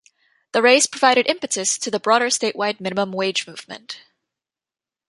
The raise provided impetus to the broader statewide minimum wage movement.